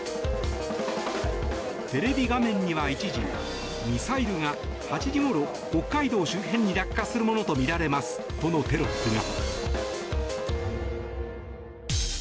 テレビ画面には一時「ミサイルが８時ごろ北海道周辺に落下するものとみられます」とのテロップが。